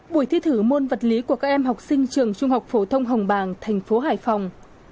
buổi thi thử môn vật lý của các em học sinh trường trung học phổ thông hồng bàng thành phố hải phòng